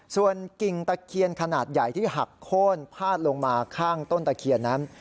ส่วนกิ่งตะเคียนขนาดใหญ่ที่หักโค้นพาดลงมาข้างต้นตะเคียนนั้น